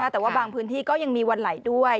แต่ว่าบางพื้นที่ก็ยังมีวันไหลด้วย